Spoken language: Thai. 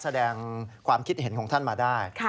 แสดงความคิดเห็นของท่านมาได้